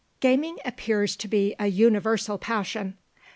Gaming appears to be an universal passion.